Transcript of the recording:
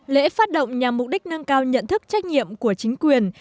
lễ phát động nhằm mục đích nâng cao nhận thức trách nhiệm của chính quyền